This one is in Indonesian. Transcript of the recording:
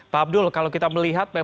pak abdul kalau kita melihat